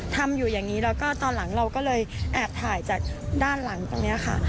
ทำอยู่อย่างนี้แล้วก็ตอนหลังเราก็เลยแอบถ่ายจากด้านหลังตรงนี้ค่ะ